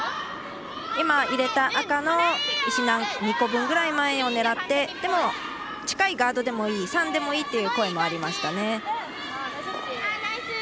今、入れた赤の２個分ぐらい前を狙って、でも近いガードでもいい３でもいいという声もありましたね。